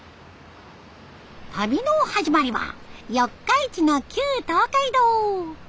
旅の始まりは四日市の旧東海道。